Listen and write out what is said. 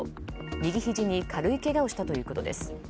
右ひじに軽いけがをしたということです。